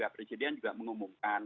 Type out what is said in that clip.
presiden juga mengumumkan